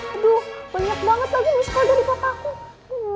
aduh banyak banget lagi misko dari kakakku